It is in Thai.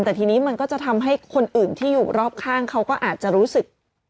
แต่ทีนี้มันก็จะทำให้คนอื่นที่อยู่รอบข้างเขาก็อาจจะรู้สึก